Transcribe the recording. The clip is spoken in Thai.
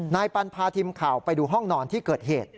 นายปันพาทีมข่าวไปดูห้องนอนที่เกิดเหตุ